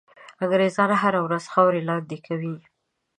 انګرېزان هره ورځ خاوره لاندي کوي.